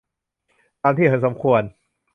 ตามที่เห็นสมควร